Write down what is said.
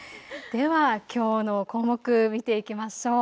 ではきょうの項目見ていきましょう。